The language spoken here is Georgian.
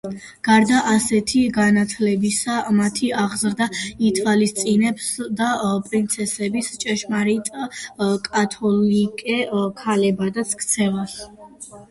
გარდა ასეთი განათლებისა, მათი აღზრდა ითვალისწინებდა პრინცესების ჭეშმარიტ კათოლიკე ქალებად ქცევას.